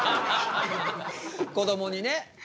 こどもにね。